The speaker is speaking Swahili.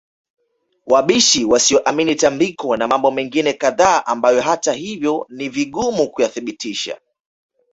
wabishi wasioamini tambiko na mambo mengine kadhaa ambayo hata hivyo ni vigumu kuyathibitisha